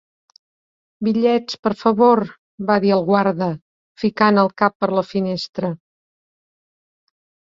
"Bitllets, per favor!", va dir el guarda, ficant el cap per la finestra.